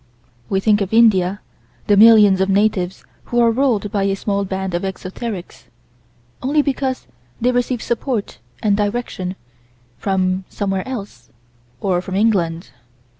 We think of India the millions of natives who are ruled by a small band of esoterics only because they receive support and direction from somewhere else or from England.